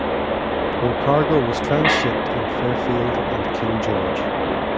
Her cargo was transshipped in "Fairfield" and "King George".